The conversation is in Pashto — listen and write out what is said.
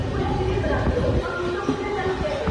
یوه قلا ده ورته یادي افسانې دي ډیري،